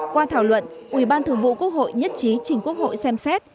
qua thảo luận ủy ban thường vụ quốc hội nhất trí chính quốc hội xem xét